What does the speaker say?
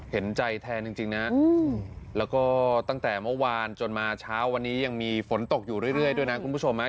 เห็นใจแทนจริงนะแล้วก็ตั้งแต่เมื่อวานจนมาเช้าวันนี้ยังมีฝนตกอยู่เรื่อยด้วยนะคุณผู้ชม